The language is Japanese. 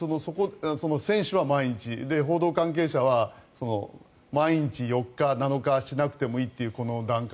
選手は毎日報道関係者は毎日、４日、７日しなくてもいいというこの段階。